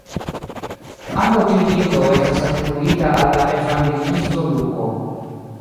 Ankaŭ tiu libro estas atribuita al la evangeliisto Luko.